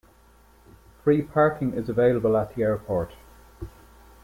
Free parking is available at the airport.